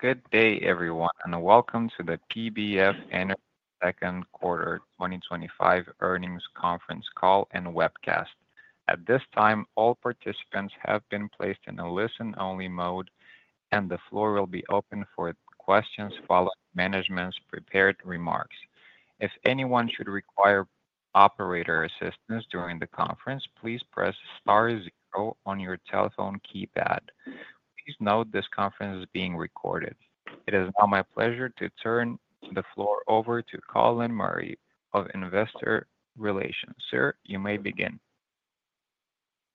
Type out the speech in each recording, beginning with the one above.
Good day, everyone, and welcome to the PBF Energy Second Quarter 2025 earnings conference call and webcast. At this time, all participants have been placed in a listen-only mode, and the floor will be open for questions following management's prepared remarks. If anyone should require operator assistance during the conference, please press *0 on your telephone keypad. Please note this conference is being recorded. It is now my pleasure to turn the floor over to Colin Murray of Investor Relations. Sir, you may begin.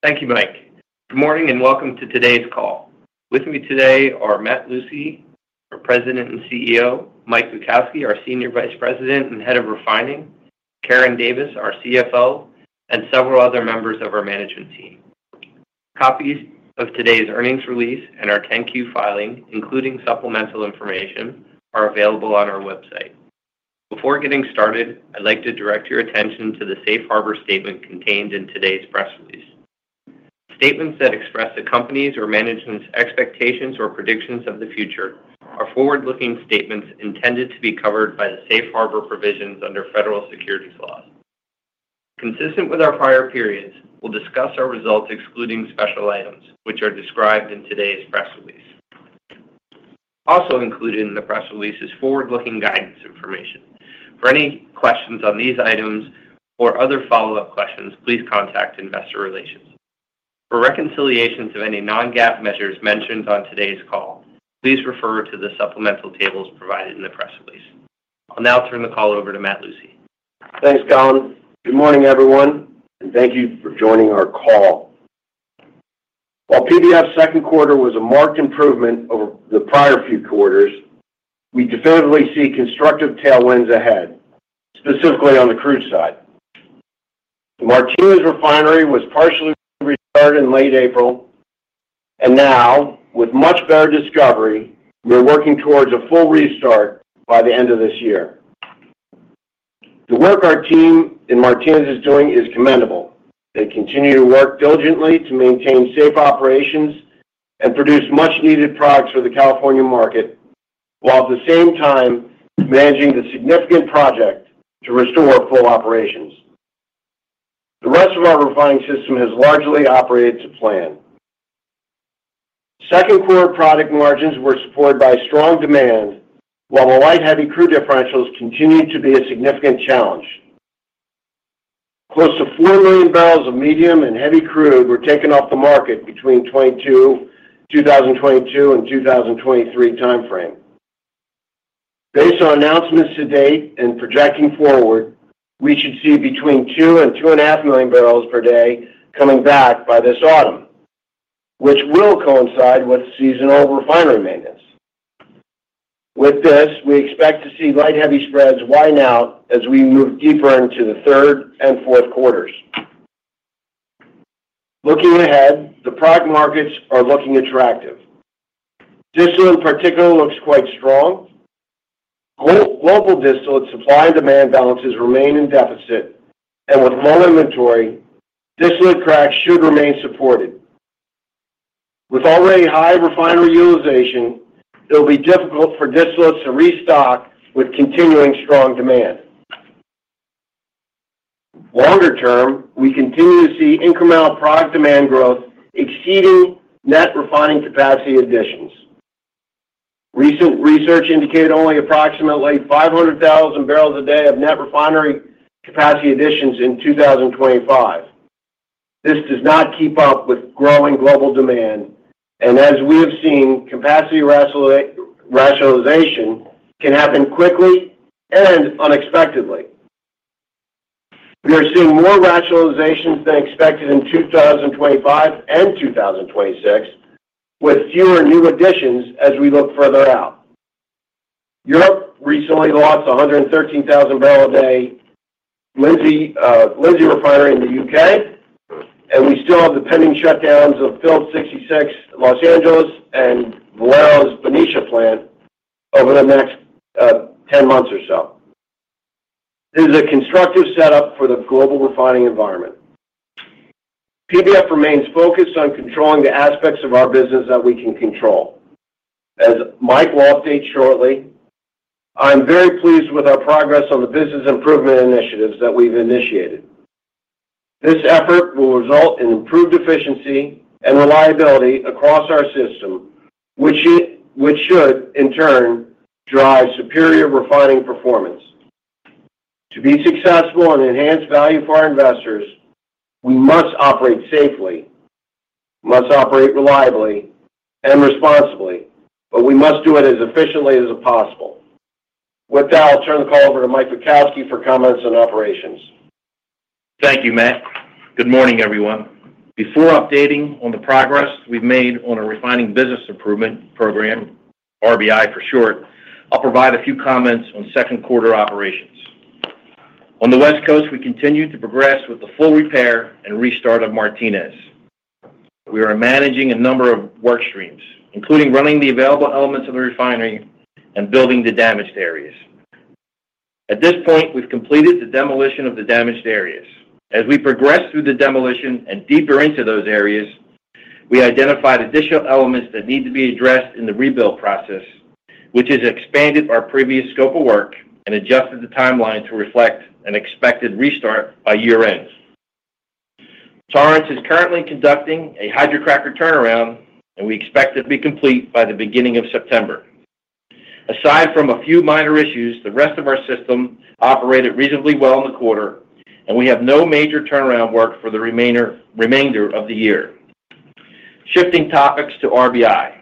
Thank you, Mike. Good morning and welcome to today's call. With me today are Matt Lucey, our President and CEO, Mike Bukowski, our Senior Vice President and Head of Refining, Karen Davis, our CFO, and several other members of our management team. Copies of today's earnings release and our 10-Q filing, including supplemental information, are available on our website. Before getting started, I'd like to direct your attention to the Safe Harbor Statement contained in today's press release. Statements that express a company's or management's expectations or predictions of the future are forward-looking statements intended to be covered by the Safe Harbor provisions under Federal Securities Laws. Consistent with our prior periods, we'll discuss our results excluding special items, which are described in today's press release. Also included in the press release is forward-looking guidance information. For any questions on these items or other follow-up questions, please contact Investor Relations. For reconciliations of any non-GAAP measures mentioned on today's call, please refer to the supplemental tables provided in the press release. I'll now turn the call over to Matt Lucey. Thanks, Colin. Good morning, everyone, and thank you for joining our call. While PBF's second quarter was a marked improvement over the prior few quarters, we definitively see constructive tailwinds ahead, specifically on the crude side. The Martinez refinery was partially restarted in late April, and now, with much better discovery, we're working towards a full restart by the end of this year. The work our team in Martinez is doing is commendable. They continue to work diligently to maintain safe operations and produce much-needed products for the California market, while at the same time managing the significant project to restore full operations. The rest of our refining system has largely operated to plan. Second-quarter product margins were supported by strong demand, while the light-heavy crude differentials continued to be a significant challenge. Close to 4 million barrels of medium and heavy crude were taken off the market between 2022 and 2023 timeframe. Based on announcements to date and projecting forward, we should see between 2 million and 2.5 million barrels per day coming back by this autumn, which will coincide with seasonal refinery maintenance. With this, we expect to see light-heavy spreads widen out as we move deeper into the third and fourth quarters. Looking ahead, the product markets are looking attractive. Distillate in particular looks quite strong. Global distillate supply and demand balances remain in deficit, and with low inventory, distillate cracks should remain supported. With already high refinery utilization, it'll be difficult for distillates to restock with continuing strong demand. Longer term, we continue to see incremental product demand growth exceeding net refining capacity additions. Recent research indicated only approximately 500,000 barrels a day of net refinery capacity additions in 2025. This does not keep up with growing global demand, and as we have seen, capacity rationalization can happen quickly and unexpectedly. We are seeing more rationalizations than expected in 2025 and 2026, with fewer new additions as we look further out. Europe recently lost 113,000 barrels a day, Lindsay Refinery in the UK, and we still have the pending shutdowns of Phillips 66 in Los Angeles and Valero's Benicia plant over the next 10 months or so. This is a constructive setup for the global refining environment. PBF remains focused on controlling the aspects of our business that we can control. As Mike will update shortly, I'm very pleased with our progress on the business improvement initiatives that we've initiated. This effort will result in improved efficiency and reliability across our system, which should, in turn, drive superior refining performance. To be successful and enhance value for our investors, we must operate safely, must operate reliably, and responsibly, but we must do it as efficiently as possible. With that, I'll turn the call over to Mike Bukowski for comments on operations. Thank you, Matt. Good morning, everyone. Before updating on the progress we've made on our Refining Business Improvement (RBI) initiative, I'll provide a few comments on second quarter operations. On the West Coast, we continue to progress with the full repair and restart of Martinez. We are managing a number of work streams, including running the available elements of the refinery and rebuilding the damaged areas. At this point, we've completed the demolition of the damaged areas. As we progress through the demolition and deeper into those areas, we identified additional elements that need to be addressed in the rebuild process, which has expanded our previous scope of work and adjusted the timeline to reflect an expected restart by year-end. Torrance is currently conducting a hydrocracker turnaround, and we expect it to be complete by the beginning of September. Aside from a few minor issues, the rest of our system operated reasonably well in the quarter, and we have no major turnaround work for the remainder of the year. Shifting topics to RBI.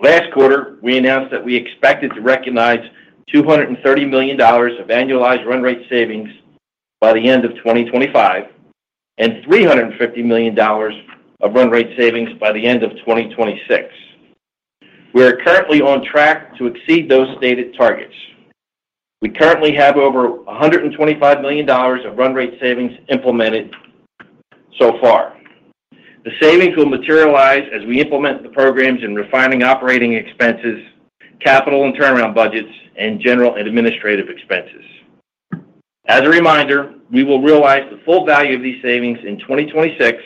Last quarter, we announced that we expected to recognize $230 million of annualized run-rate savings by the end of 2025 and $350 million of run-rate savings by the end of 2026. We are currently on track to exceed those stated targets. We currently have over $125 million of run-rate savings implemented so far. The savings will materialize as we implement the programs in refining operating expenses, capital and turnaround budgets, and general and administrative expenses. As a reminder, we will realize the full value of these savings in 2026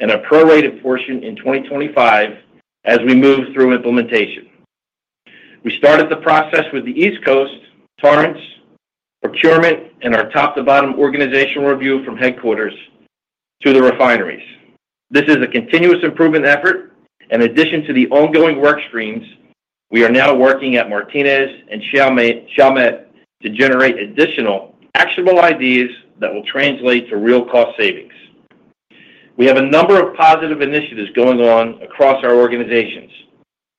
and a prorated portion in 2025 as we move through implementation. We started the process with the East Coast, Torrance, procurement, and our top-to-bottom organizational review from headquarters to the refineries. This is a continuous improvement effort. In addition to the ongoing work streams, we are now working at Martinez and Chalmette to generate additional actionable ideas that will translate to real cost savings. We have a number of positive initiatives going on across our organizations,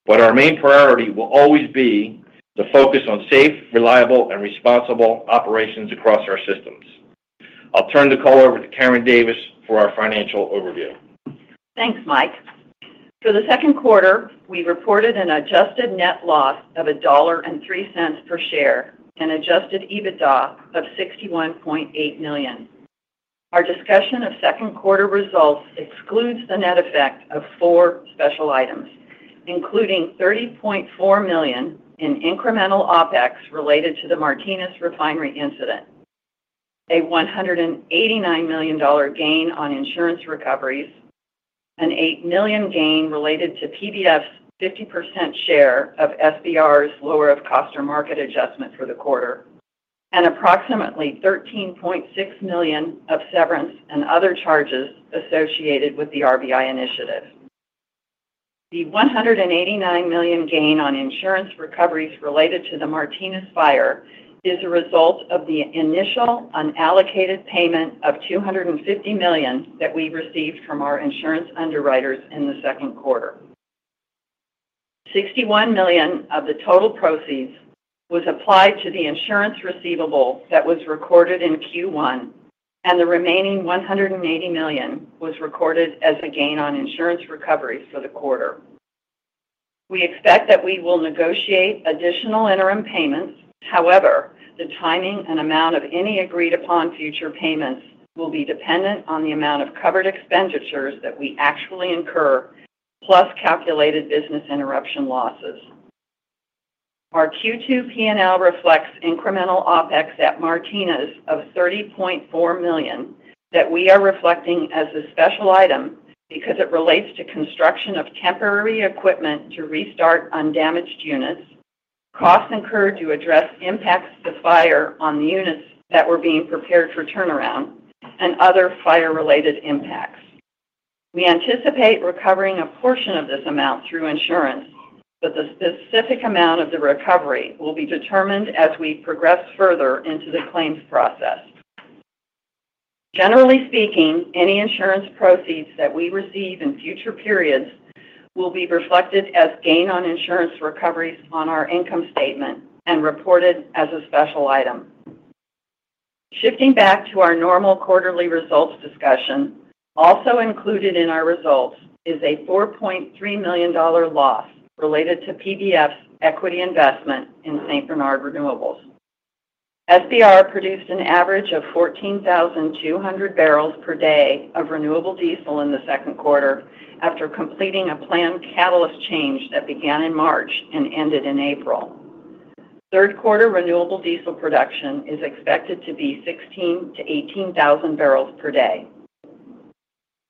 but our main priority will always be the focus on safe, reliable, and responsible operations across our systems. I'll turn the call over to Karen Davis for our financial overview. Thanks, Mike. For the second quarter, we reported an adjusted net loss of $1.03 per share and adjusted EBITDA of $61.8 million. Our discussion of second quarter results excludes the net effect of four special items, including $30.4 million in incremental OPEX related to the Martinez refinery incident, a $189 million gain on insurance recoveries, an $8 million gain related to PBF's 50% share of SBR's lower of cost or market adjustment for the quarter, and approximately $13.6 million of severance and other charges associated with the RBI initiative. The $189 million gain on insurance recoveries related to the Martinez fire is a result of the initial unallocated payment of $250 million that we received from our insurance underwriters in the second quarter. $61 million of the total proceeds was applied to the insurance receivable that was recorded in Q1, and the remaining $180 million was recorded as a gain on insurance recoveries for the quarter. We expect that we will negotiate additional interim payments. However, the timing and amount of any agreed-upon future payments will be dependent on the amount of covered expenditures that we actually incur, plus calculated business interruption losses. Our Q2 P&L reflects incremental OPEX at Martinez of $30.4 million that we are reflecting as a special item because it relates to construction of temporary equipment to restart undamaged units, costs incurred to address impacts of the fire on the units that were being prepared for turnaround, and other fire-related impacts. We anticipate recovering a portion of this amount through insurance, but the specific amount of the recovery will be determined as we progress further into the claims process. Generally speaking, any insurance proceeds that we receive in future periods will be reflected as gain on insurance recoveries on our income statement and reported as a special item. Shifting back to our normal quarterly results discussion, also included in our results is a $4.3 million loss related to PBF's equity investment in St. Bernard Renewables. SBR produced an average of 14,200 barrels per day of renewable diesel in the second quarter after completing a planned catalyst change that began in March and ended in April. Third quarter renewable diesel production is expected to be 16,000 to 18,000 barrels per day.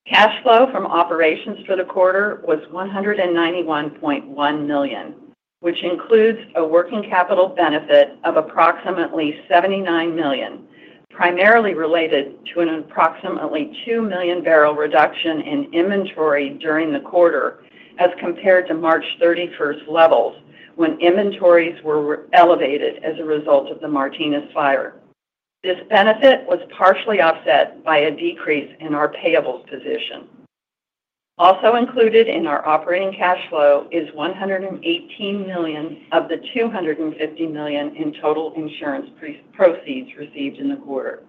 Cash flow from operations for the quarter was $191.1 million, which includes a working capital benefit of approximately $79 million, primarily related to an approximately 2 million barrel reduction in inventory during the quarter as compared to March 31 levels when inventories were elevated as a result of the Martinez fire. This benefit was partially offset by a decrease in our payables position. Also included in our operating cash flow is $118 million of the $250 million in total insurance proceeds received in the quarter.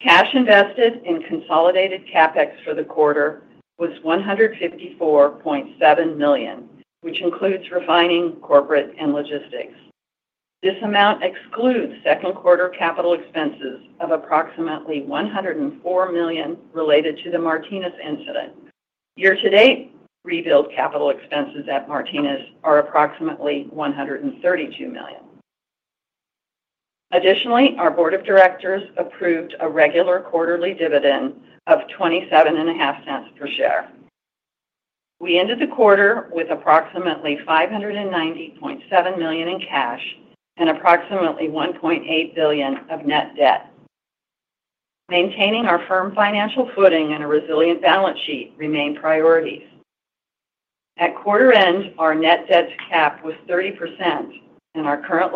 Cash invested in consolidated CapEx for the quarter was $154.7 million, which includes refining, corporate, and logistics. This amount excludes second quarter capital expenses of approximately $104 million related to the Martinez incident. Year-to-date rebuild capital expenses at Martinez are approximately $132 million. Additionally, our Board of Directors approved a regular quarterly dividend of $0.275 per share. We ended the quarter with approximately $590.7 million in cash and approximately $1.8 billion of net debt. Maintaining our firm financial footing and a resilient balance sheet remain priorities. At quarter end, our net debt to cap was 30%, and our current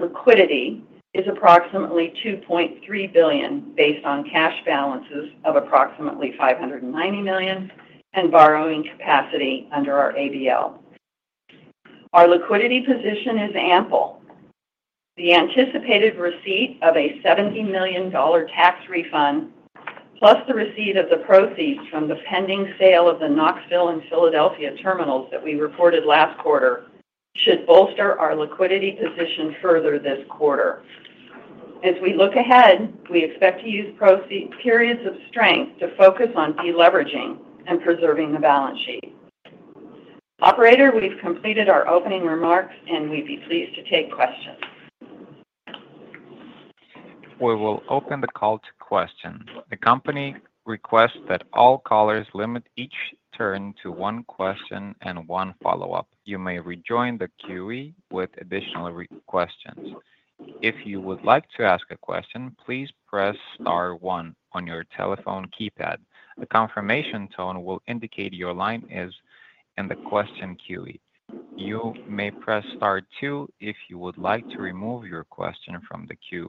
liquidity is approximately $2.3 billion based on cash balances of approximately $590 million and borrowing capacity under our ABL. Our liquidity position is ample. The anticipated receipt of a $70 million tax refund, plus the receipt of the proceeds from the pending sale of the Knoxville and Philadelphia terminals that we reported last quarter, should bolster our liquidity position further this quarter. As we look ahead, we expect to use periods of strength to focus on deleveraging and preserving the balance sheet. Operator, we've completed our opening remarks, and we'd be pleased to take questions. We will open the call to questions. The company requests that all callers limit each turn to one question and one follow-up. You may rejoin the Q&A with additional questions. If you would like to ask a question, please press *1 on your telephone keypad. The confirmation tone will indicate your line is in the question queue. You may press *2 if you would like to remove your question from the queue.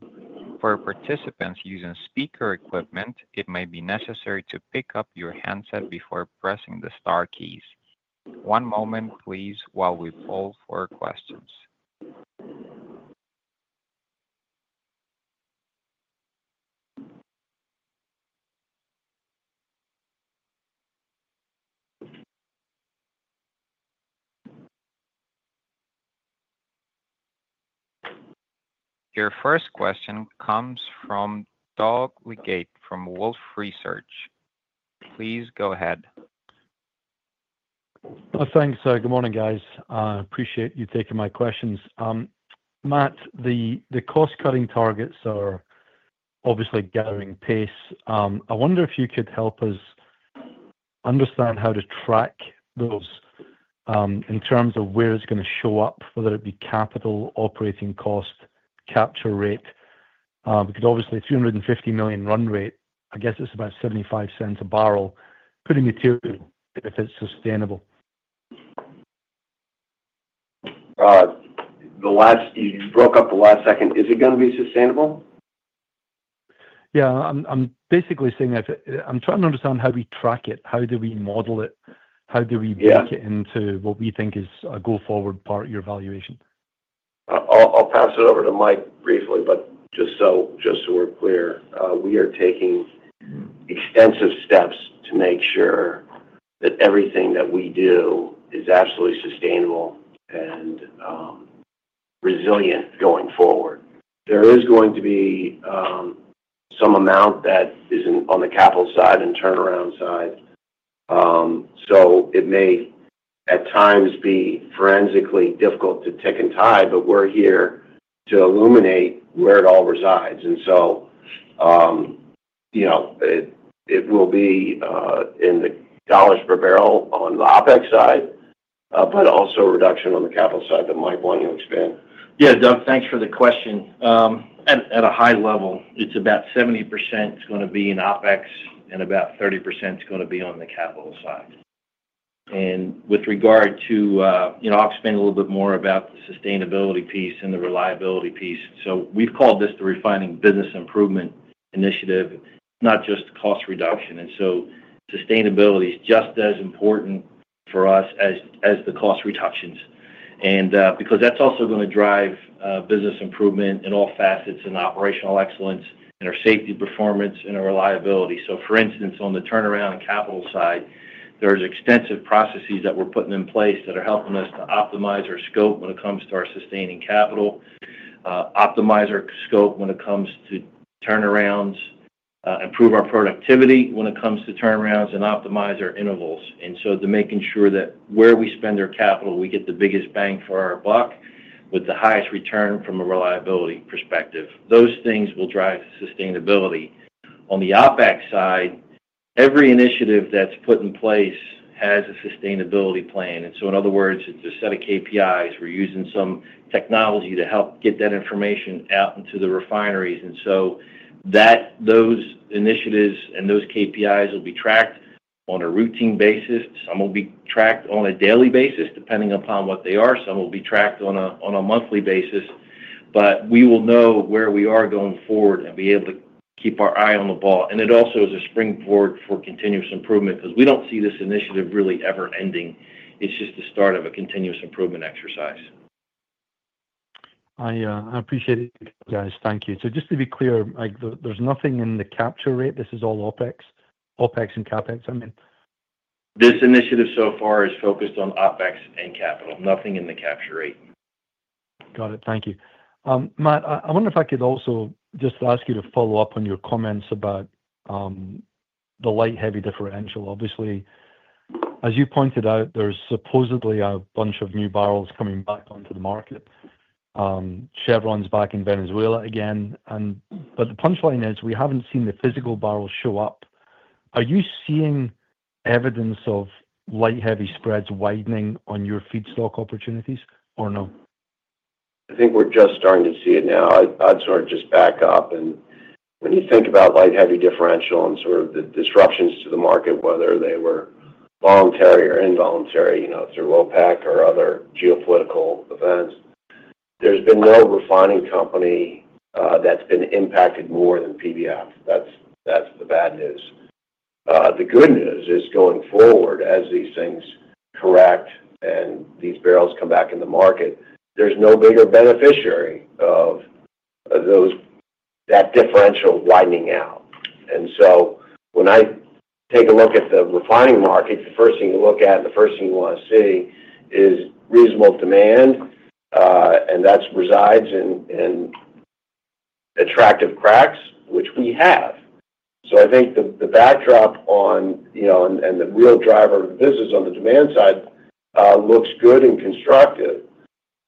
For participants using speaker equipment, it may be necessary to pick up your handset before pressing the * keys. One moment, please, while we poll for questions. Your first question comes from Doug Leggate from Wolfe Research. Please go ahead. Thanks, sir. Good morning, guys. I appreciate you taking my questions. Matt, the cost-cutting targets are obviously gathering pace. I wonder if you could help us understand how to track those in terms of where it's going to show up, whether it be capital, operating cost, capture rate. Because obviously, $350 million run rate, I guess it's about $0.75 a barrel. Pretty material if it's sustainable. You broke up the last second. Is it going to be sustainable? I'm basically saying that I'm trying to understand how we track it. How do we model it? How do we make it into what we think is a go-forward part of your evaluation? I'll pass it over to Mike briefly, but just so we're clear, we are taking extensive steps to make sure that everything that we do is absolutely sustainable and resilient going forward. There is going to be some amount that is on the capital side and turnaround side. It may at times be forensically difficult to tick and tie, but we're here to illuminate where it all resides. You know it will be in the dollars per barrel on the OPEX side, but also a reduction on the capital side that Mike wanted to expand. Yeah, Doug, thanks for the question. At a high level, it's about 70% going to be in OPEX and about 30% is going to be on the capital side. With regard to, you know, I'll explain a little bit more about the sustainability piece and the reliability piece. We've called this the Refining Business Improvement (RBI) initiative, not just cost reduction. Sustainability is just as important for us as the cost reductions because that's also going to drive business improvement in all facets and operational excellence and our safety performance and our reliability. For instance, on the turnaround and capital side, there are extensive processes that we're putting in place that are helping us to optimize our scope when it comes to our sustaining capital, optimize our scope when it comes to turnarounds, improve our productivity when it comes to turnarounds, and optimize our intervals. Making sure that where we spend our capital, we get the biggest bang for our buck with the highest return from a reliability perspective. Those things will drive sustainability. On the OPEX side, every initiative that's put in place has a sustainability plan. In other words, it's a set of KPIs. We're using some technology to help get that information out into the refineries. Those initiatives and those KPIs will be tracked on a routine basis. Some will be tracked on a daily basis, depending upon what they are. Some will be tracked on a monthly basis. We will know where we are going forward and be able to keep our eye on the ball. It also is a springboard for continuous improvement because we don't see this initiative really ever ending. It's just the start of a continuous improvement exercise. I appreciate it, guys. Thank you. Just to be clear, Mike, there's nothing in the capture rate? This is all OPEX and CapEx, I mean? This initiative so far is focused on OPEX and capital. Nothing in the capture rate. Got it. Thank you. Matt, I wonder if I could also just ask you to follow up on your comments about the light-heavy differential. Obviously, as you pointed out, there's supposedly a bunch of new barrels coming back onto the market. Chevron's back in Venezuela again. The punchline is we haven't seen the physical barrels show up. Are you seeing evidence of light-heavy spreads widening on your feedstock opportunities or no? I think we're just starting to see it now. I'd sort of just back up. When you think about light-heavy crude differentials and the disruptions to the market, whether they were voluntary or involuntary, you know, through OPEC+ or other geopolitical events, there's been no refining company that's been impacted more than PBF Energy. That's the bad news. The good news is, going forward, as these things correct and these barrels come back in the market, there's no bigger beneficiary of those, that differential widening out. When I take a look at the refining market, the first thing you look at and the first thing you want to see is reasonable demand, and that resides in attractive cracks, which we have. I think the backdrop on, you know, and the real driver of the business on the demand side, looks good and constructive.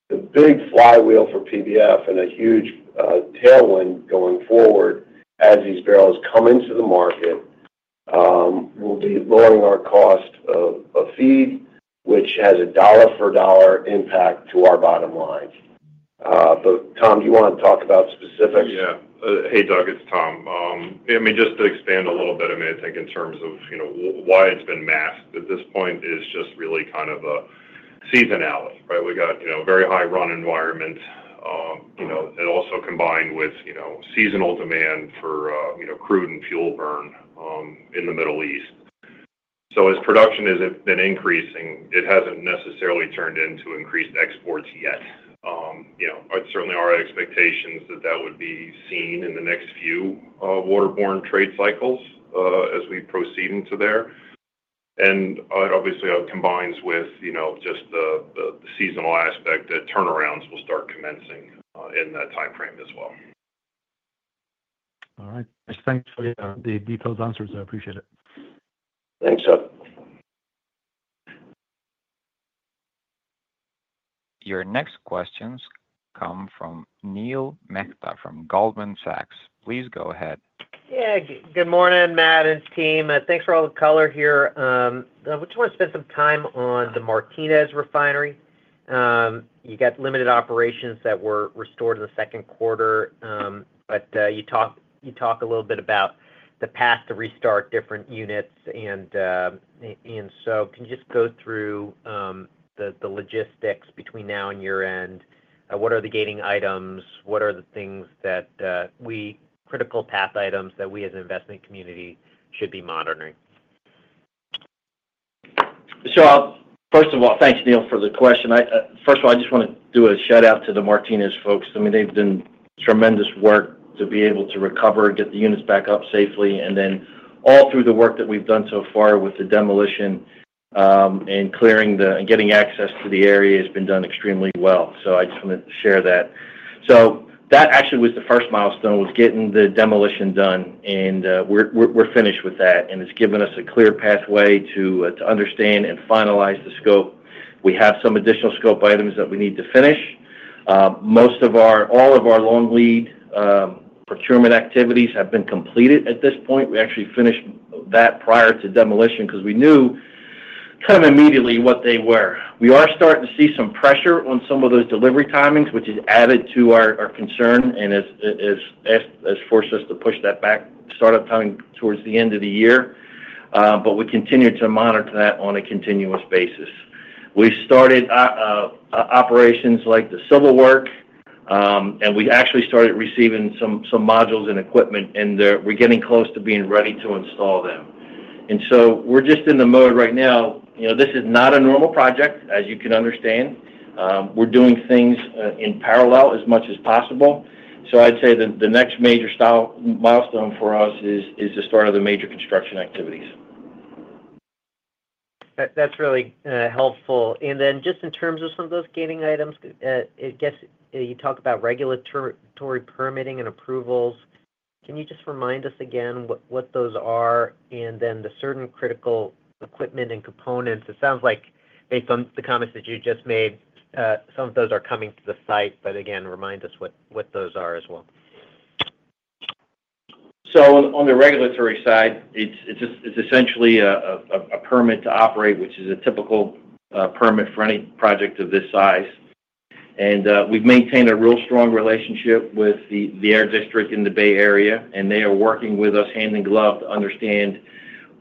The big flywheel for PBF Energy and a huge tailwind going forward as these barrels come into the market will be lowering our cost of feed, which has a dollar-for-dollar impact to our bottom line. Tom, do you want to talk about specifics? Yeah. Hey, Doug. It's Tom. Just to expand a little bit, I think in terms of why it's been masked at this point, it's just really kind of a seasonality, right? We got a very high run environment, and also combined with seasonal demand for crude and fuel burn in the Middle East. As production has been increasing, it hasn't necessarily turned into increased exports yet. It's certainly our expectations that that would be seen in the next few waterborne trade cycles as we proceed into there. It obviously combines with the seasonal aspect that turnarounds will start commencing in that timeframe as well. All right. Thanks for the detailed answers. I appreciate it. Thanks, sir. Your next questions come from Neil Mehta from Goldman Sachs. Please go ahead. Yeah. Good morning, Matt and team. Thanks for all the color here. I just want to spend some time on the Martinez refinery. You got limited operations that were restored in the second quarter, but you talked a little bit about the path to restart different units. Can you just go through the logistics between now and year-end? What are the gating items? What are the things that are critical path items that we as an investment community should be monitoring? First of all, thanks, Neil, for the question. I just want to do a shout-out to the Martinez folks. I mean, they've done tremendous work to be able to recover, get the units back up safely. All through the work that we've done so far with the demolition and clearing and getting access to the area has been done extremely well. I just want to share that. That actually was the first milestone, getting the demolition done. We're finished with that, and it's given us a clear pathway to understand and finalize the scope. We have some additional scope items that we need to finish. Most of our, all of our long-lead procurement activities have been completed at this point. We actually finished that prior to demolition because we knew kind of immediately what they were. We are starting to see some pressure on some of those delivery timings, which has added to our concern and has forced us to push that back startup time towards the end of the year. We continue to monitor that on a continuous basis. We've started operations like the civil work, and we actually started receiving some modules and equipment, and we're getting close to being ready to install them. We're just in the mode right now. This is not a normal project, as you can understand. We're doing things in parallel as much as possible. I'd say that the next major milestone for us is the start of the major construction activities. That's really helpful. In terms of some of those gating items, you talk about regulatory permitting and approvals. Can you just remind us again what those are and the certain critical equipment and components? It sounds like based on the comments that you just made, some of those are coming to the site, but again, remind us what those are as well. On the regulatory side, it's essentially a permit to operate, which is a typical permit for any project of this size. We've maintained a real strong relationship with the air district in the Bay Area, and they are working with us hand in glove to understand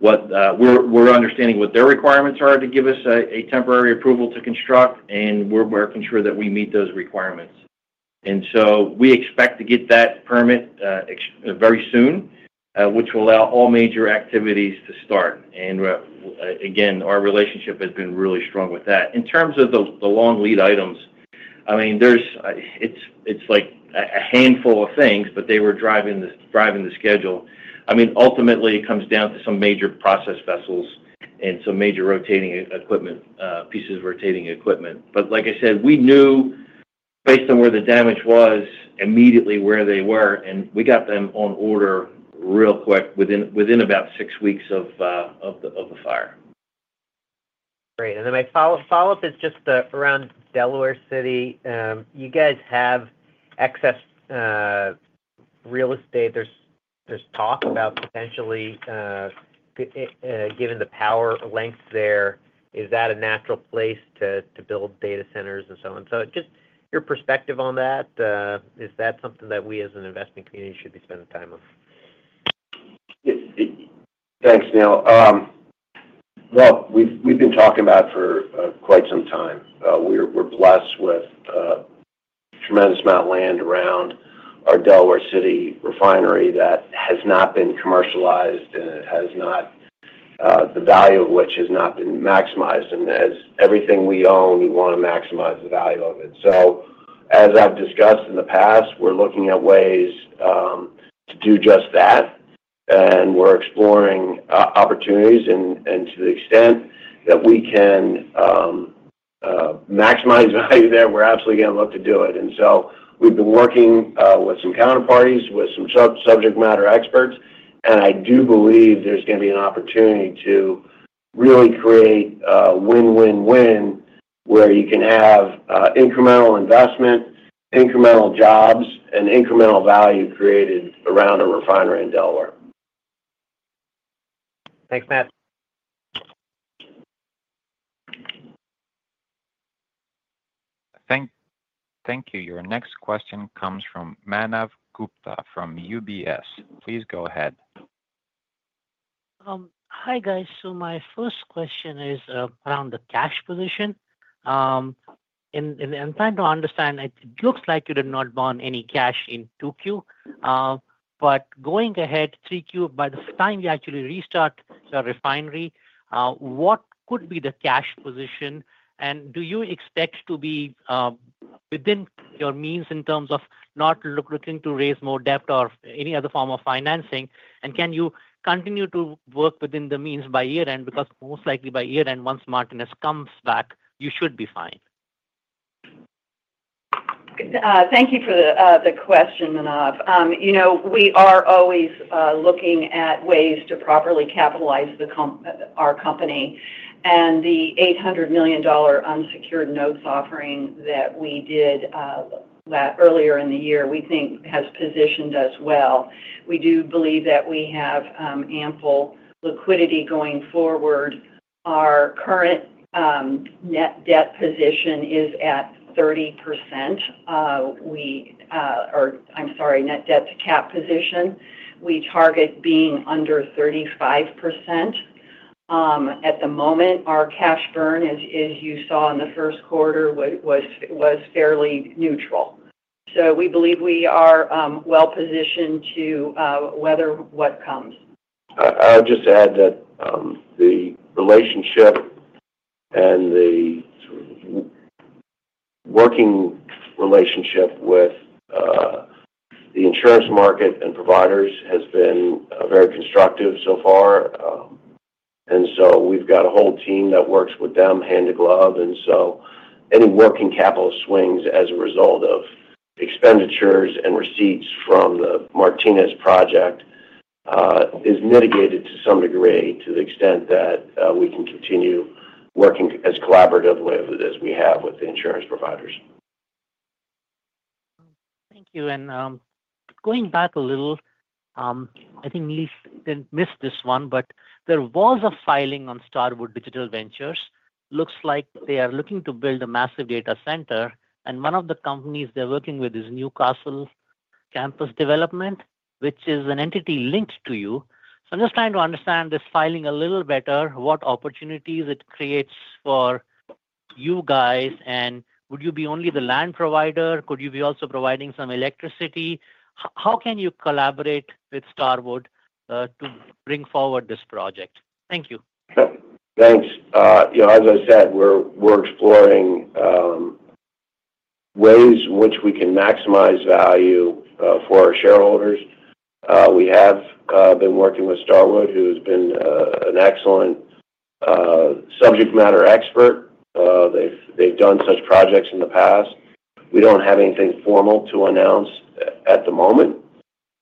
what we're understanding, what their requirements are to give us a temporary approval to construct, and we're working to ensure that we meet those requirements. We expect to get that permit very soon, which will allow all major activities to start. Our relationship has been really strong with that. In terms of the long-lead items, it's like a handful of things, but they were driving the schedule. Ultimately, it comes down to some major process vessels and some major pieces of rotating equipment. Like I said, we knew based on where the damage was immediately where they were, and we got them on order real quick within about six weeks of the fire. Great. My follow-up is just around Delaware City. You guys have excess real estate. There's talk about potentially, given the power links there, is that a natural place to build data centers and so on? Just your perspective on that, is that something that we as an investment community should be spending time on? Thanks, Neil. We've been talking about it for quite some time. We're blessed with a tremendous amount of land around our Delaware City refinery that has not been commercialized, the value of which has not been maximized. As with everything we own, we want to maximize the value of it. As I've discussed in the past, we're looking at ways to do just that. We're exploring opportunities. To the extent that we can maximize value there, we're absolutely going to look to do it. We've been working with some counterparties, with some subject matter experts, and I do believe there's going to be an opportunity to really create a win-win-win where you can have incremental investment, incremental jobs, and incremental value created around a refinery in Delaware. Thanks, Matt. Thank you. Your next question comes from Manav Gupta from UBS. Please go ahead. Hi, guys. My first question is around the cash position. I'm trying to understand, it looks like you did not bond any cash in 2Q. Going ahead to 3Q, by the time you actually restart your refinery, what could be the cash position? Do you expect to be within your means in terms of not looking to raise more debt or any other form of financing? Can you continue to work within the means by year-end? Most likely by year-end, once Martinez comes back, you should be fine. Thank you for the question, Manav. We are always looking at ways to properly capitalize our company. The $800 million unsecured notes offering that we did earlier in the year, we think has positioned us well. We do believe that we have ample liquidity going forward. Our current net debt to cap position is at 30%. We target being under 35%. At the moment, our cash burn, as you saw in the first quarter, was fairly neutral. We believe we are well-positioned to weather what comes. I would just add that the relationship and the sort of working relationship with the insurance market and providers has been very constructive so far. We've got a whole team that works with them hand in glove. Any working capital swings as a result of expenditures and receipts from the Martinez project is mitigated to some degree to the extent that we can continue working as collaboratively as we have with the insurance providers. Thank you. Going back a little, I think we missed this one, but there was a filing on Starwood Digital Ventures. It looks like they are looking to build a massive data center, and one of the companies they're working with is Newcastle Campus Development, which is an entity linked to you. I'm just trying to understand this filing a little better, what opportunities it creates for you guys. Would you be only the land provider? Could you also be providing some electricity? How can you collaborate with Starwood to bring forward this project? Thank you. Thanks. As I said, we're exploring ways in which we can maximize value for our shareholders. We have been working with Starwood, who has been an excellent subject matter expert. They've done such projects in the past. We don't have anything formal to announce at the moment,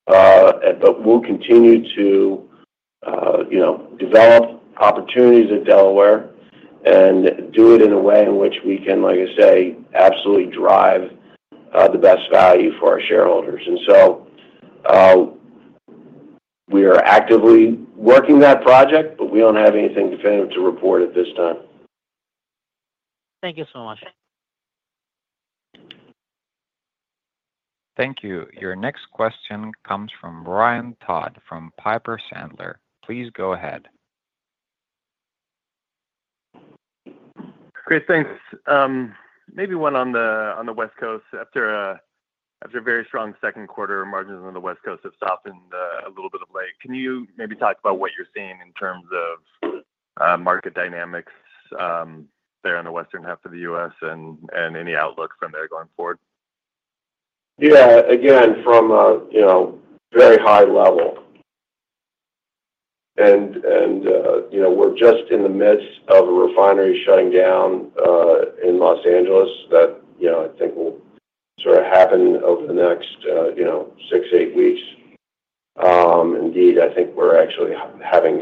but we'll continue to develop opportunities at Delaware and do it in a way in which we can, like I say, absolutely drive the best value for our shareholders. We are actively working that project, but we don't have anything definitive to report at this time. Thank you so much. Thank you. Your next question comes from Ryan Todd from Piper Sandler. Please go ahead. Great. Thanks. Maybe one on the West Coast. After a very strong second quarter, margins on the West Coast have softened a little bit of late. Can you maybe talk about what you're seeing in terms of market dynamics there in the western half of the U.S. and any outlook from there going forward? Yeah. Again, from a very high level, we're just in the midst of a refinery shutting down in Los Angeles that I think will sort of happen over the next six, eight weeks. I think we're actually having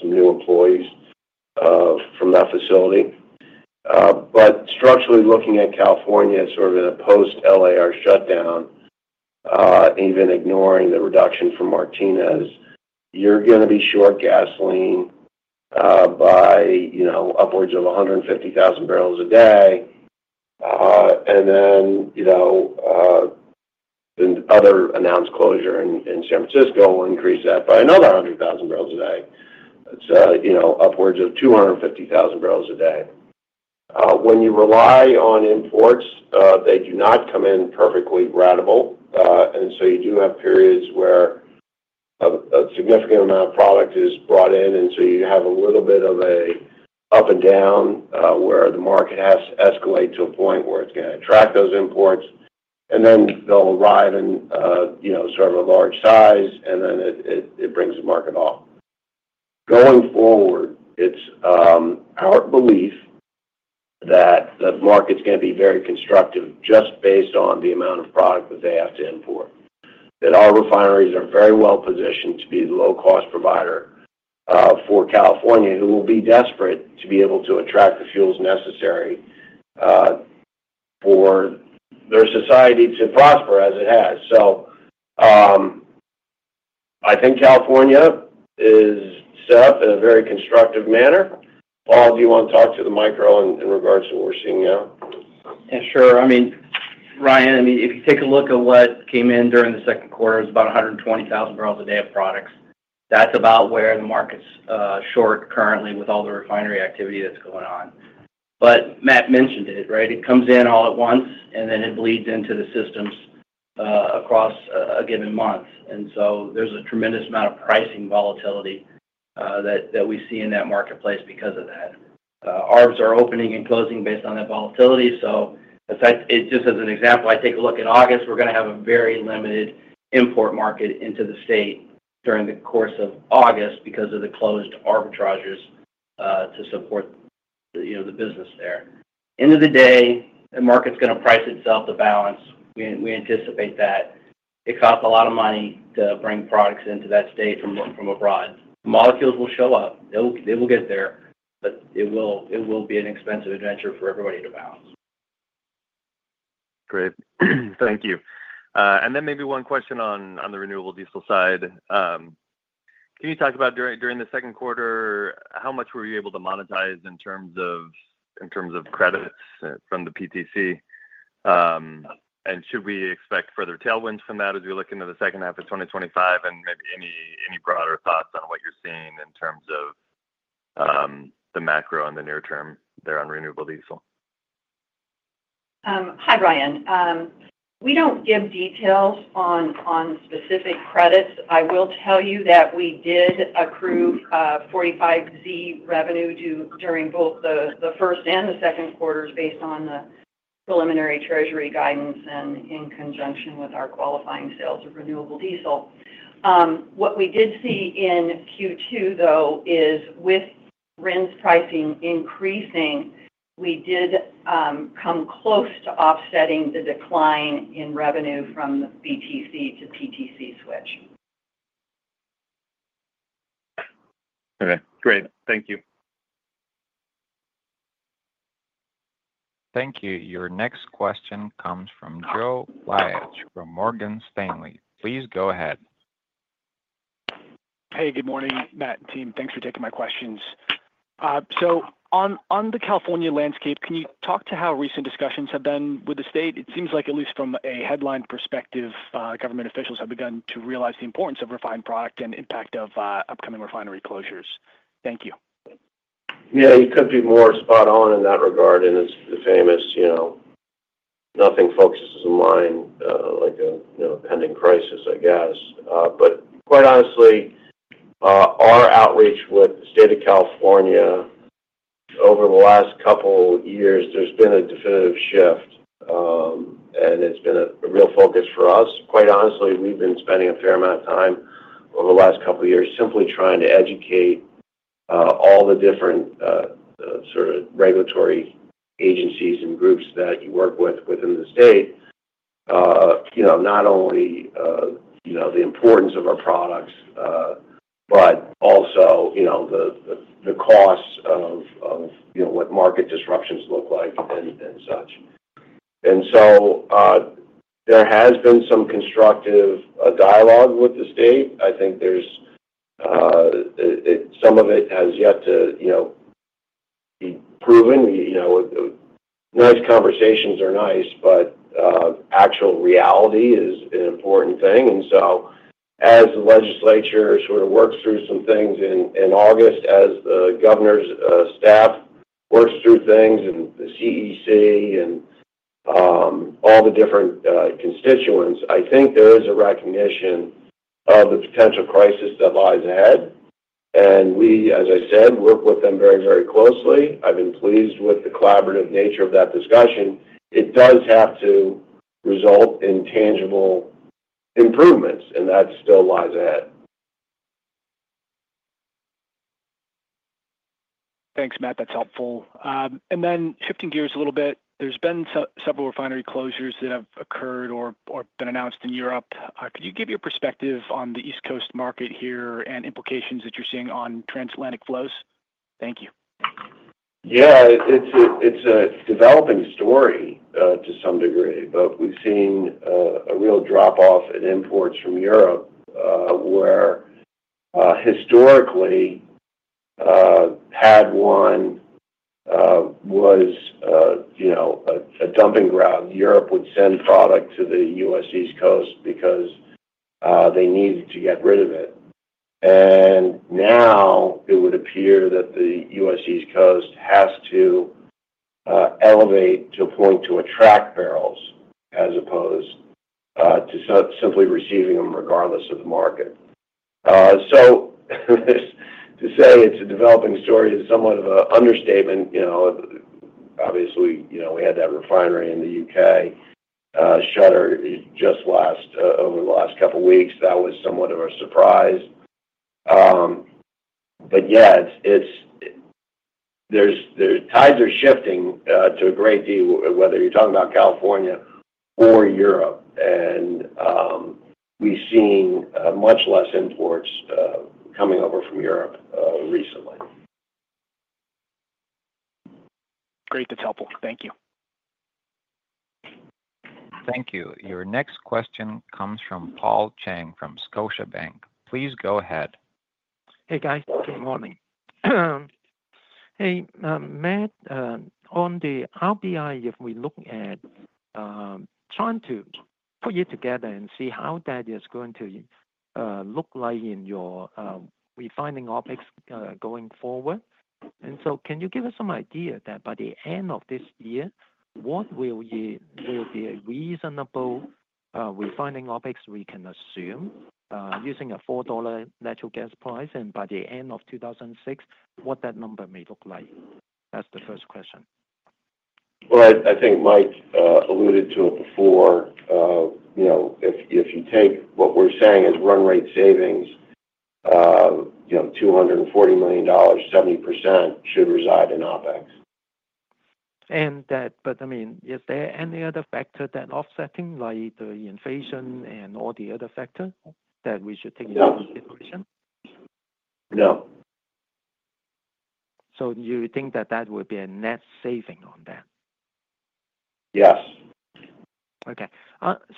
some new employees from that facility. Structurally, looking at California, sort of in a post-Los Angeles refinery shutdown, even ignoring the reduction from Martinez, you're going to be short gasoline by upwards of 150,000 barrels a day. The other announced closure in San Francisco will increase that by another 100,000 barrels a day. It's upwards of 250,000 barrels a day. When you rely on imports, they do not come in perfectly ratable, and you do have periods where a significant amount of product is brought in. You have a little bit of an up and down, where the market has to escalate to a point where it's going to attract those imports. Then they'll arrive in sort of a large size, and it brings the market off. Going forward, it's our belief that the market's going to be very constructive just based on the amount of product that they have to import, that our refineries are very well positioned to be the low-cost provider for California, who will be desperate to be able to attract the fuels necessary for their society to prosper as it has. I think California is set up in a very constructive manner. Paul, do you want to talk to the micro in regards to what we're seeing now? Yeah, sure. I mean, Ryan, if you take a look at what came in during the second quarter, it was about 120,000 barrels a day of products. That's about where the market's short currently with all the refinery activity that's going on. Matt mentioned it, right? It comes in all at once, and then it bleeds into the systems across a given month. There is a tremendous amount of pricing volatility that we see in that marketplace because of that. ARBs are opening and closing based on that volatility. Just as an example, I take a look in August, we're going to have a very limited import market into the state during the course of August because of the closed arbitrages to support the business there. End of the day, the market's going to price itself to balance. We anticipate that. It costs a lot of money to bring products into that state from abroad. Molecules will show up. They will get there, but it will be an expensive adventure for everybody to balance. Great. Thank you. Maybe one question on the renewable diesel side. Can you talk about during the second quarter, how much were you able to monetize in terms of credits from the PTC? Should we expect further tailwinds from that as we look into the second half of 2025? Maybe any broader thoughts on what you're seeing in terms of the macro and the near term there on renewable diesel? Hi, Brian. We don't give details on specific credits. I will tell you that we did accrue 45Z revenue during both the first and the second quarters based on the preliminary Treasury guidance and in conjunction with our qualifying sales of renewable diesel. What we did see in Q2, though, is with RIN's pricing increasing, we did come close to offsetting the decline in revenue from the BTC to PTC switch. Okay. Great. Thank you. Thank you. Your next question comes from Joe Wyatch from Morgan Stanley. Please go ahead. Good morning, Matt and team. Thanks for taking my questions. On the California landscape, can you talk to how recent discussions have been with the state? It seems like at least from a headline perspective, government officials have begun to realize the importance of refined product and impact of upcoming refinery closures. Thank you. Yeah, you could be more spot on in that regard. It's the famous, you know, nothing focuses the mind like a, you know, a pending crisis, I guess. Quite honestly, our outreach with the state of California over the last couple of years, there's been a definitive shift, and it's been a real focus for us. Quite honestly, we've been spending a fair amount of time over the last couple of years simply trying to educate all the different, sort of regulatory agencies and groups that you work with within the state. You know, not only, you know, the importance of our products, but also, you know, the costs of, you know, what market disruptions look like and such. There has been some constructive dialogue with the state. I think some of it has yet to, you know, be proven. Nice conversations are nice, but actual reality is an important thing. As the legislature sort of works through some things in August, as the governor's staff works through things and the CEC and all the different constituents, I think there is a recognition of the potential crisis that lies ahead. We, as I said, work with them very, very closely. I've been pleased with the collaborative nature of that discussion. It does have to result in tangible improvements, and that still lies ahead. Thanks, Matt. That's helpful. Shifting gears a little bit, there's been several refinery closures that have occurred or been announced in Europe. Could you give your perspective on the East Coast market here and implications that you're seeing on transatlantic flows? Thank you. Yeah, it's a developing story to some degree, but we've seen a real drop-off in imports from Europe, which historically had been, you know, a dumping ground. Europe would send product to the U.S. East Coast because they needed to get rid of it. Now it would appear that the U.S. East Coast has to elevate to a point to attract barrels as opposed to simply receiving them regardless of the market. To say it's a developing story is somewhat of an understatement. Obviously, we had that refinery in the UK shutter just over the last couple of weeks. That was somewhat of a surprise. It's, there's, tides are shifting to a great deal, whether you're talking about California or Europe. We've seen much less imports coming over from Europe recently. Great. That's helpful. Thank you. Thank you. Your next question comes from Paul Cheng from Scotiabank. Please go ahead. Hey, guys. Good morning. Hey, Matt, on the RBI, if we look at trying to put you together and see how that is going to look like in your refining OPEX going forward, can you give us some idea that by the end of this year, what will be a reasonable refining OPEX we can assume, using a $4 natural gas price? By the end of 2026, what that number may look like? That's the first question. I think Mike alluded to it before. If you take what we're saying as run-rate savings, $240 million, 70% should reside in OPEX. Is there any other factor that's offsetting, like the inflation and all the other factors, that we should take into consideration? No. Do you think that would be a net saving on that? Yes. Okay.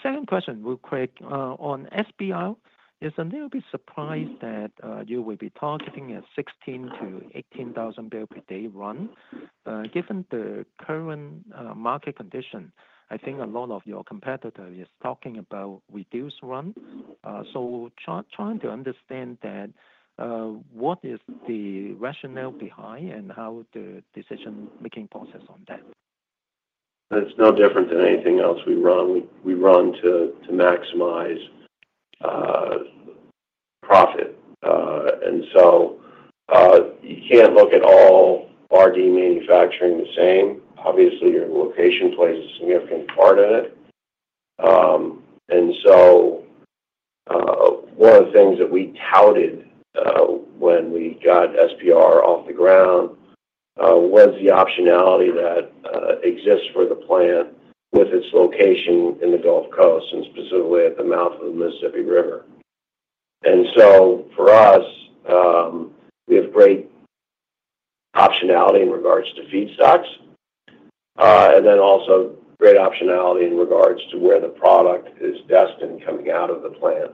Second question, real quick. On RBI, it's a little bit surprising that you will be targeting a 16,000 to 18,000 barrel per day run given the current market condition. I think a lot of your competitors are talking about reduced run. I'm trying to understand that. What is the rationale behind it and how is the decision-making process on that? It's no different than anything else we run. We run to maximize profit, and you can't look at all renewable diesel manufacturing the same. Obviously, your location plays a significant part in it. One of the things that we touted when we got St. Bernard Renewables off the ground was the optionality that exists for the plant with its location in the Gulf Coast and specifically at the mouth of the Mississippi River. For us, we have great optionality in regards to feedstocks, and also great optionality in regards to where the product is destined coming out of the plant.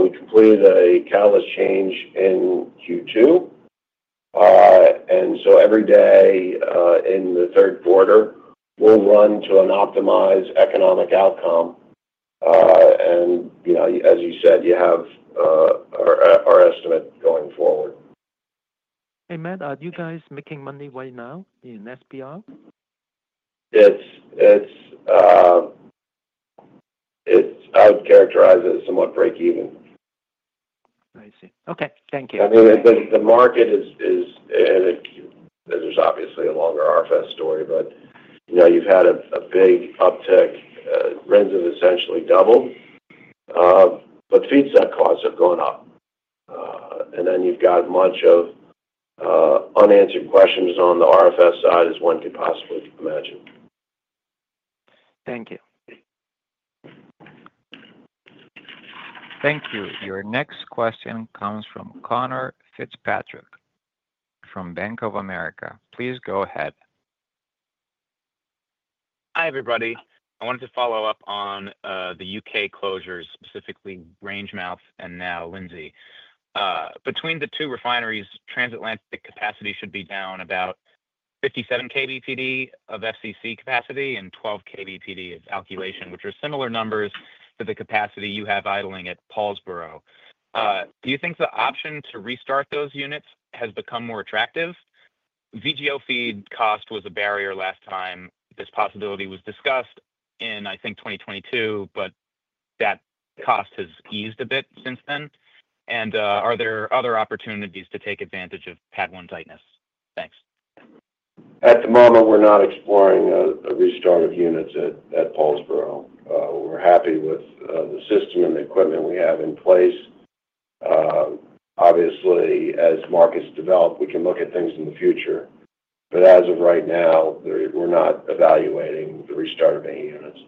We completed a catalyst change in Q2, and every day in the third quarter, we'll run to an optimized economic outcome. As you said, you have our estimate going forward. Hey, Matt, are you guys making money right now in St. Bernard Renewables? I would characterize it as somewhat break-even. I see. Okay, thank you. I mean, the market is, and there's obviously a longer RFS story, but you've had a big uptick. RINs have essentially doubled, but feedstock costs have gone up, and then you've got a bunch of unanswered questions on the RFS side, as one could possibly imagine. Thank you. Thank you. Your next question comes from Conor Fitzpatrick from Bank of America. Please go ahead. Hi, everybody. I wanted to follow up on the UK closures, specifically Rangemouth and now Lindsay. Between the two refineries, transatlantic capacity should be down about 57,000 BPD of FCC capacity and 12,000 BPD of alkylation, which are similar numbers to the capacity you have idling at Paulsboro. Do you think the option to restart those units has become more attractive? VGO feed cost was a barrier last time. This possibility was discussed in, I think, 2022, but that cost has eased a bit since then. Are there other opportunities to take advantage of padworm tightness? Thanks. At the moment, we're not exploring a restart of units at Paulsboro. We're happy with the system and the equipment we have in place. Obviously, as markets develop, we can look at things in the future. As of right now, we're not evaluating the restart of any units.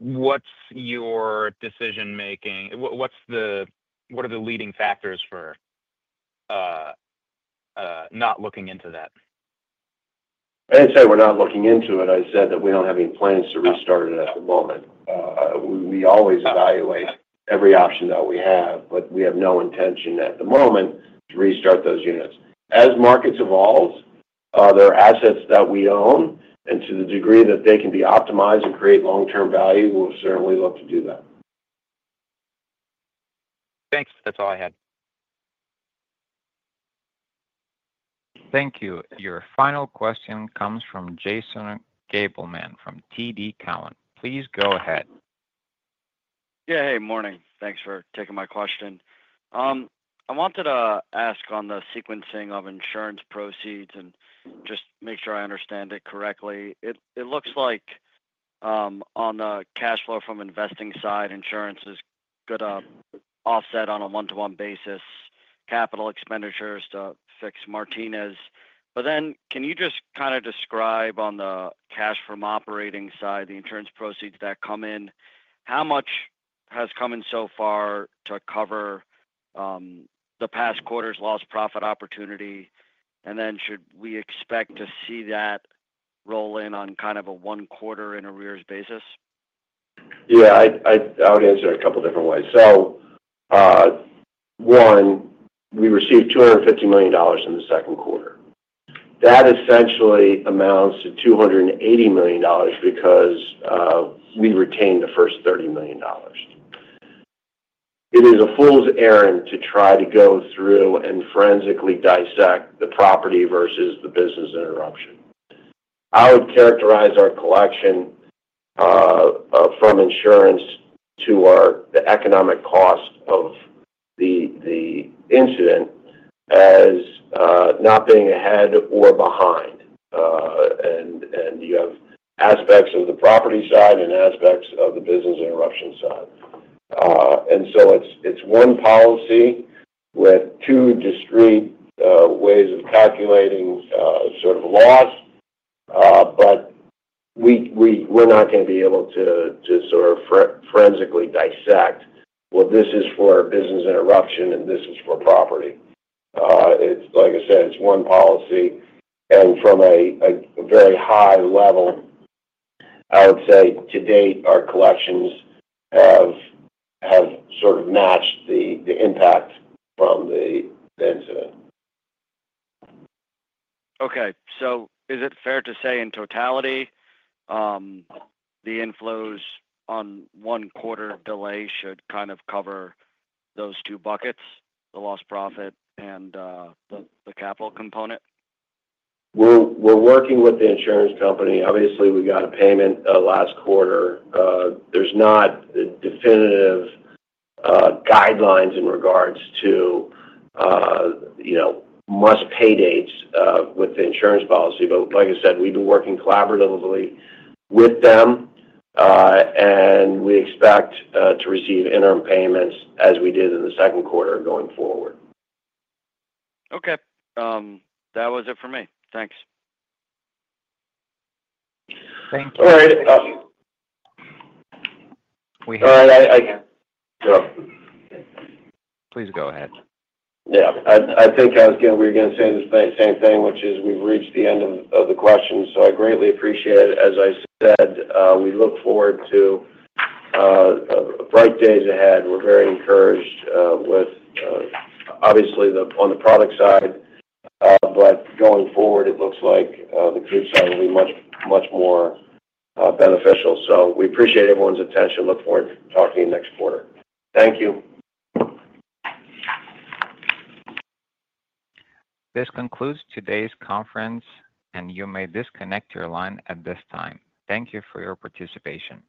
What is your decision-making? What are the leading factors for not looking into that? I didn't say we're not looking into it. I said that we don't have any plans to restart it at the moment. We always evaluate every option that we have, but we have no intention at the moment to restart those units. As markets evolve, other assets that we own, and to the degree that they can be optimized and create long-term value, we'll certainly look to do that. Thanks. That's all I had. Thank you. Your final question comes from Jason Gabelman from TD Cowen. Please go ahead. Yeah. Hey, morning. Thanks for taking my question. I wanted to ask on the sequencing of insurance proceeds and just make sure I understand it correctly. It looks like, on the cash flow from investing side, insurance is going to offset on a one-to-one basis capital expenditures to fix Martinez. Can you just kind of describe on the cash from operating side, the insurance proceeds that come in, how much has come in so far to cover the past quarter's lost profit opportunity? Should we expect to see that roll in on kind of a one-quarter in arrears basis? I would answer it a couple of different ways. One, we received $250 million in the second quarter. That essentially amounts to $280 million because we retained the first $30 million. It is a fool's errand to try to go through and forensically dissect the property versus the business interruption. I would characterize our collection from insurance to the economic cost of the incident as not being ahead or behind. You have aspects of the property side and aspects of the business interruption side. It is one policy with two discrete ways of calculating sort of loss. We are not going to be able to forensically dissect, well, this is for business interruption and this is for property. Like I said, it is one policy. From a very high level, I would say to date, our collections have sort of matched the impact from the incident. Okay. Is it fair to say in totality, the inflows on one-quarter delay should kind of cover those two buckets, the lost profit and the capital component? We're working with the insurance company. Obviously, we got a payment last quarter. There's not the definitive guidelines in regards to, you know, must pay dates with the insurance policy. Like I said, we've been working collaboratively with them, and we expect to receive interim payments as we did in the second quarter going forward. Okay, that was it for me. Thanks. Thank you. All right. We have. All right, I can go. Please go ahead. I think I was going to, we were going to say the same thing, which is we've reached the end of the questions. I greatly appreciate it. As I said, we look forward to bright days ahead. We're very encouraged, with, obviously, the on the product side. Going forward, it looks like the group side will be much, much more beneficial. We appreciate everyone's attention. Look forward to talking to you next quarter. Thank you. This concludes today's conference, and you may disconnect your line at this time. Thank you for your participation.